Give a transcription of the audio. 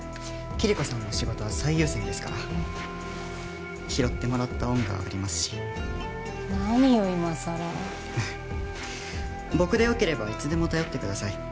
キリコさんの仕事は最優先ですから拾ってもらった恩がありますし何よ今さら僕でよければいつでも頼ってください